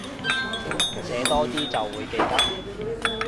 寫多啲就會記得